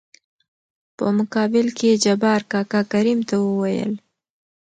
په مقابل کې يې جبار کاکا کريم ته وويل :